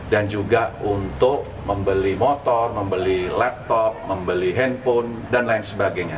dan juga untuk membeli motor membeli laptop membeli handphone dan lain sebagainya